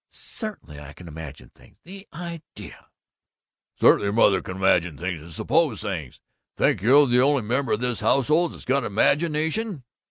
"Certainly I can imagine things! The idea!" "Certainly your mother can imagine things and suppose things! Think you're the only member of this household that's got an imagination?"